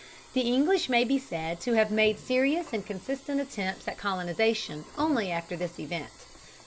The English may be said to have made serious and consistent attempts at colonization only after this event.